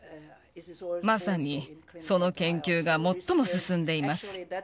まさにその研究が最も進んでいます。